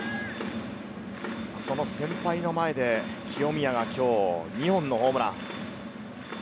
その先輩の前で清宮が今日、２本のホームラン。